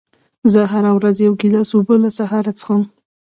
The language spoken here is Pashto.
زه هره ورځ یو ګیلاس اوبه له سهاره څښم.